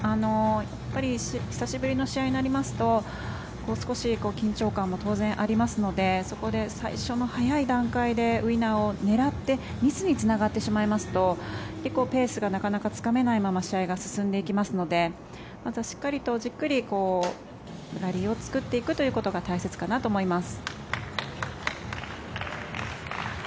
やっぱり久しぶりの試合になりますと少し緊張感も当然ありますのでそこで最初の早い段階でウィナーを狙ってミスにつながってしまいますとペースがつかめないまま試合が進んでいきますのでまずはしっかりと、じっくりラリーを作っていくことが大切かなと思います。